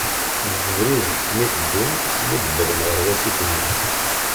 Deg ubrid mi teddun, mi d uwḍen ɣer wasif-nni.